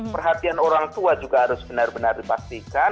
perhatian orang tua juga harus benar benar dipastikan